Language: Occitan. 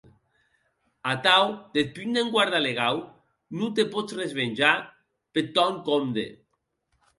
Atau, deth punt d’enguarda legau, non te pòs resvenjar peth tòn compde.